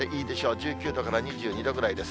１９度から２２度ぐらいです。